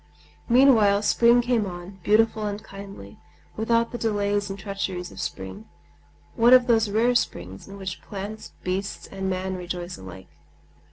Meanwhile spring came on, beautiful and kindly, without the delays and treacheries of spring,—one of those rare springs in which plants, beasts, and man rejoice alike.